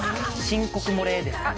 申告漏れですかね。